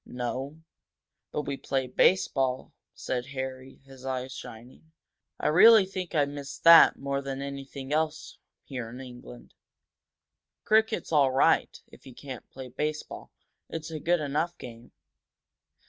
"No, but we play baseball," said Harry, his eyes shining. "I really think I miss that more than anything else here in England. Cricket's all right if you can't play baseball. It's a good enough game."